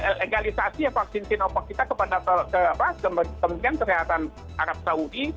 legalisasi vaksin sinovac kita kepada kementerian kesehatan arab saudi